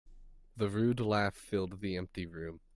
The rude laugh filled the empty room.